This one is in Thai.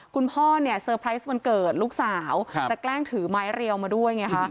คุณพ่อเนี่ยเซอร์ไพรส์วันเกิดลูกสาวจะแกล้งถือไม้เรียวมาด้วยไงคะ